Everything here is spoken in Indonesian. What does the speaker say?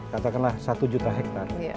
katakanlah satu juta hektar